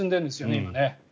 今ね。